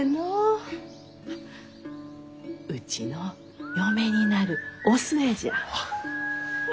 うちの嫁になるお寿恵じゃ。